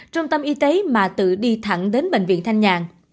trung tâm y tế mà tự đi thẳng đến bệnh viện thanh nhàn